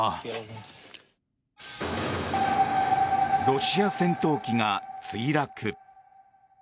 ロシア戦闘機が墜落。